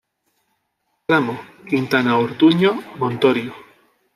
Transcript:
Tramo: Quintanaortuño-Montorio.